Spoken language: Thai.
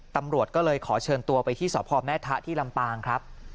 ตำรวจก็เลยขอเชิญตัวไปที่สพแม่ทะที่ลำปางครับ